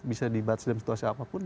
bisa dibuat dalam situasi apapun